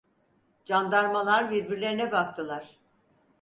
Candarmalar birbirlerine baktılar.